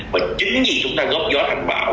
và chính vì chúng ta góp gió thành bảo